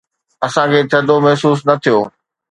اسان کي ٿڌو محسوس نه ٿيو.